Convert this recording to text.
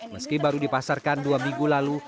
meski baru dipasarkan dua minggu lalu